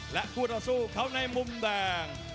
และคู่ต่อสู้เขาในมุมแดง